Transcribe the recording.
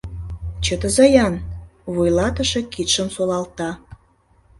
— Чытыза-ян, — вуйлатыше кидшым солалта.